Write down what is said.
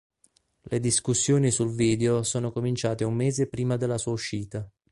Le discussioni sul video sono cominciate un mese prima della sua uscita.